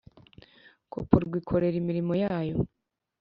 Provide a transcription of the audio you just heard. Coporwa ikorera imirimo yayo